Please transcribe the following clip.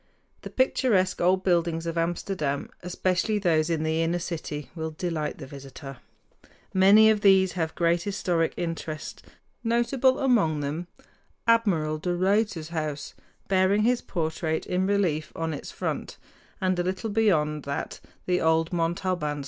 The picturesque old buildings of Amsterdam, especially those in the inner city, will delight the visitor. Many of these have great historic interest notable among them Admiral de Ruyter's (ry´ ter; Dutch, roi´ ter) house, bearing his portrait in relief on its front, and a little beyond that the old Montalbans Tower.